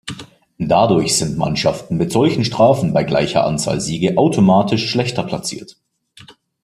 Dadurch sind Mannschaften mit solchen Strafen bei gleicher Anzahl Siege automatisch schlechter platziert.